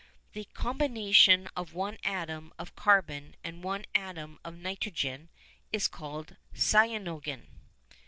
The combination of one atom of carbon and one atom of nitrogen is called cyanogen.